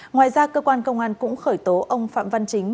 ngoài ra cơ quan công an cũng khởi tố ông phạm văn chính